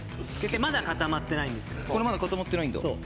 これまだ固まってないんだ。